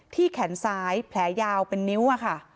แขนซ้ายแผลยาวเป็นนิ้วค่ะ